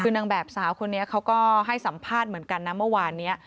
คือนางแบบสาวคนนี้เขาก็ให้สัมภาษณ์เหมือนกันนะเมื่อวานนี้